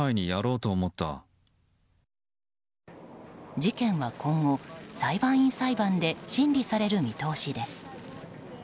事件は今後、裁判員裁判で審理される見通しです。